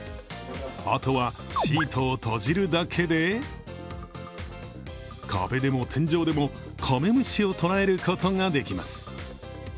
あとはシートを閉じるだけで壁でも天井でもカメムシを捕らえることができます。